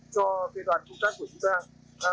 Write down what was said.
cho cây đoàn công tác của chúng ta